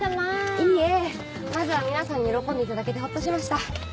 いえまずは皆さんに喜んでいただけてホッとしました。